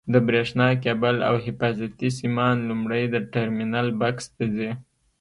د برېښنا کېبل او حفاظتي سیمان لومړی د ټرمینل بکس ته ځي.